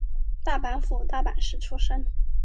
大阪府大阪市出身。